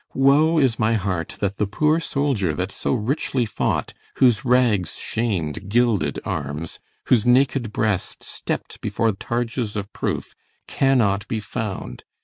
Woe is my heart That the poor soldier that so richly fought, Whose rags sham'd gilded arms, whose naked breast Stepp'd before targes of proof, cannot be found.